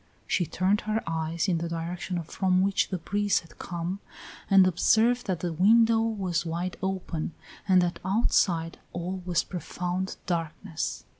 She turned her eyes in the direction from which the breeze had come, and observed that the window was wide open and that outside all was profound darkness.